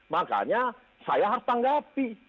makanya saya harus tanggapi